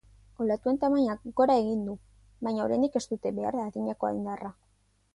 Olatuen tamainak gora egin du, baina oraindik ez dute behar adinako indarra.